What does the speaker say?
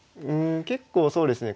結構そうですね